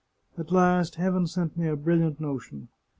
At last Heaven sent me a brilliant notion.